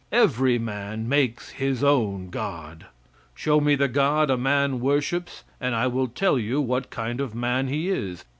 Every man makes his own God. Show me the God a man worships, and I will tell you what kind of a man he is.